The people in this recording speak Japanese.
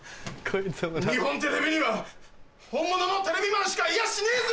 日本テレビには本物のテレビマンしかいやしねえぜ！